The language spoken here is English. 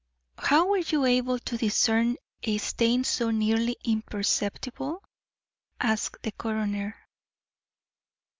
"How were you able to discern a stain so nearly imperceptible?" asked the coroner.